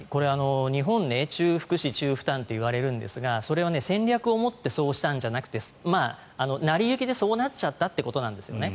日本、中福祉・中負担って言われるんですがそれは戦略を持ってそうしたんじゃなくて成り行きでそうなっちゃったということなんですよね。